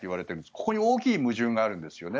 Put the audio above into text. ここに大きい矛盾があるんですよね。